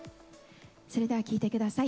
それでは聴いてください。